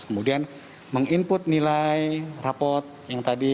kemudian meng input nilai rapot yang tadi